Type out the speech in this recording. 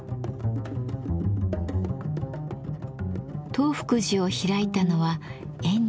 東福寺を開いたのは円爾。